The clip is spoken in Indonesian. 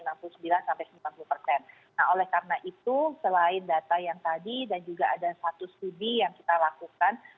nah oleh karena itu selain data yang tadi dan juga ada satu studi yang kita lakukan